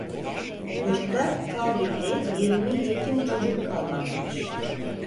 Yurtta Kabilli yirmi yetim çocuk kalmaktadır.